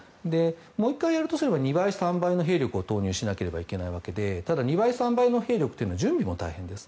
もう１回やるとすれば２倍、３倍の兵力を投入しないといけないのでただ２倍、３倍の兵力というのは準備も大変です。